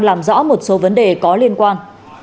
làm rõ một số vấn đề có liên quan